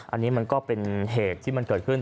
อันนี้มันก็เป็นเหตุที่มันเกิดขึ้น